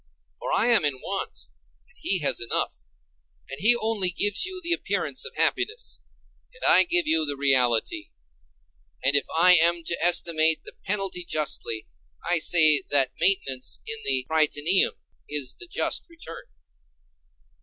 For I am in want, and he has enough; and he only gives you the appearance of happiness, and I give you the reality. And if I am to estimate the penalty justly, I say that maintenance in the Prytaneum is the just return.